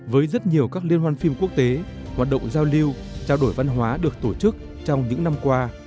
với rất nhiều các liên hoan phim quốc tế hoạt động giao lưu trao đổi văn hóa được tổ chức trong những năm qua